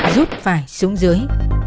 rút phải xuống dưới